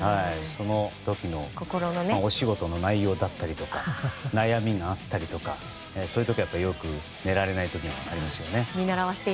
その時のお仕事の内容だったり悩みがあったりとかそういう時はよく寝られない時はあります。